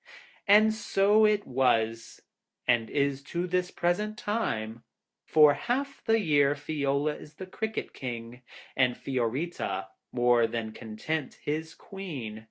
And so it was, and is to this present time. For half the year Fiola is the Cricket King, and Fiorita, more than content, his Queen.